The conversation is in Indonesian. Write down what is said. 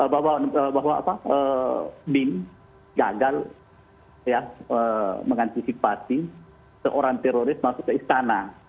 bahwa bin gagal ya mengantisipasi seorang teroris masuk ke istana